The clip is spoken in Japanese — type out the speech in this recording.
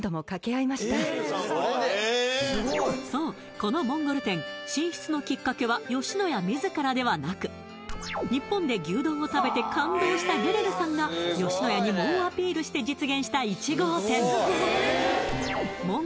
このモンゴル店進出のきっかけは野家自らではなく日本で牛丼を食べて感動したゲレルさんが野家に猛アピールして実現した